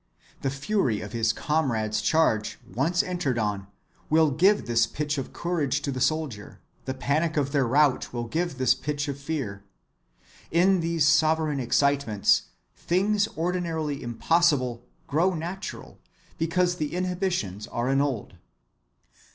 The fury of his comrades' charge, once entered on, will give this pitch of courage to the soldier; the panic of their rout will give this pitch of fear. In these sovereign excitements, things ordinarily impossible grow natural because the inhibitions are annulled.